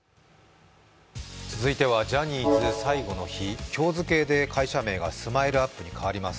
続いてはジャニーズ最後の日今日付で会社名がＳＭＩＬＥ−ＵＰ．に変わります。